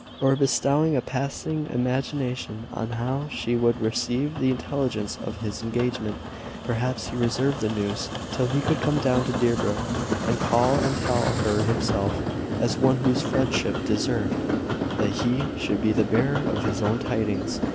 or bestowing a passing imagination on how she would receive the intelligence of his engagement! Perhaps he reserved the news till he could come down to Deerbrook, and call and tell her himself, as one whose friendship deserved that he should be the bearer of his own tidings.